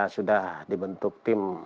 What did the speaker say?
sudah dibentuk tim